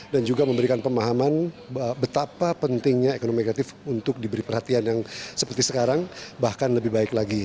dan juga memberikan pemahaman betapa pentingnya ekonomi kreatif untuk diberi perhatian yang seperti sekarang bahkan lebih baik lagi